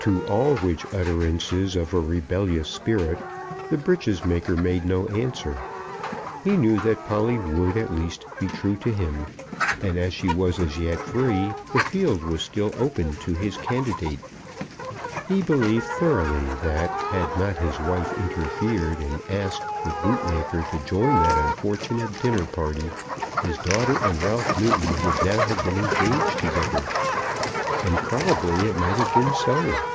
To all which utterances of a rebellious spirit the breeches maker made no answer. He knew that Polly would, at least, be true to him; and, as she was as yet free, the field was still open to his candidate. He believed thoroughly that had not his wife interfered, and asked the bootmaker to join that unfortunate dinner party, his daughter and Ralph Newton would now have been engaged together. And probably it might have been so.